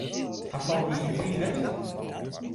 Hast al ris yn Parys west?